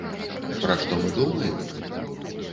Пра што мы думаем?